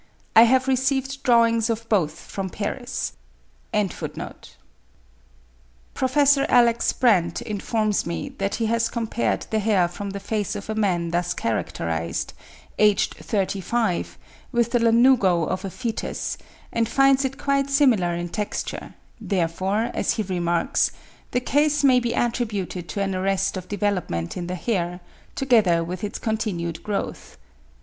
I have received drawings of both from Paris.) Prof. Alex. Brandt informs me that he has compared the hair from the face of a man thus characterised, aged thirty five, with the lanugo of a foetus, and finds it quite similar in texture; therefore, as he remarks, the case may be attributed to an arrest of development in the hair, together with its continued growth.